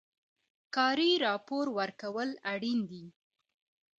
کاري راپور ورکول اړین دي